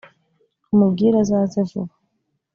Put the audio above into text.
umubwire azaze vuba